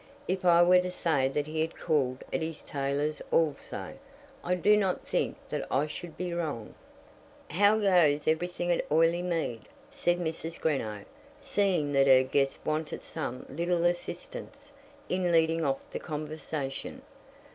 If I were to say that he had called at his tailor's also, I do not think that I should be wrong. "How goes everything at Oileymead?" said Mrs. Greenow, seeing that her guest wanted some little assistance in leading off the conversation.